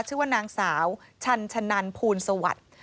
ชื่อว่านางสาวชันชะนันภูลสวัสดิ์